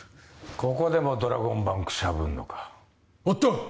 ここでもドラゴンバンクしゃぶんのかあった